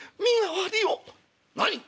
「何！